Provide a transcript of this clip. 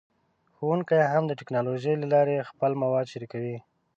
ښوونکي هم د ټیکنالوژۍ له لارې خپل مواد شریکوي.